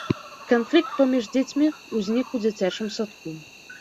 Канфлікт паміж дзецьмі ўзнік у дзіцячым садку.